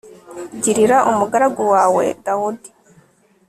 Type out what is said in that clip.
girira umugaragu wawe dawudi